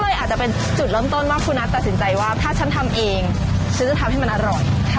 ก็เลยอาจจะเป็นจุดเริ่มต้นว่าคุณนัทตัดสินใจว่าถ้าฉันทำเองฉันจะทำให้มันอร่อย